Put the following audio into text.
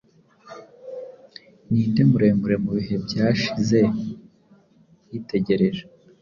Ninde muremure mubihe byashize yitegereje